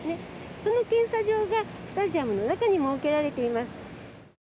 その検査場が、スタジアムの中に設けられています。